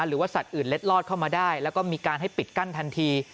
หรือว่าสัตว์อื่นเล็ดลอดเข้ามาได้แล้วก็มีการให้ปิดกั้นทันที